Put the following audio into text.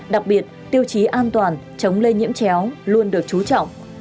đặc biệt tiêu chí an toàn chống lây nhiễm chéo luôn được chú trọng